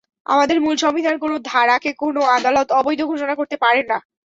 আমাদের মূল সংবিধানের কোনো ধারাকে কোনো আদালত অবৈধ ঘোষণা করতে পারেন না।